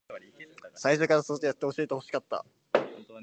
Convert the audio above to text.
Yellow stripes at lateral sides of pronotum are narrow.